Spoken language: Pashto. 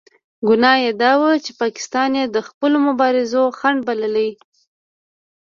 ګناه یې دا وه چې پاکستان یې د خپلو مبارزو خنډ بللو.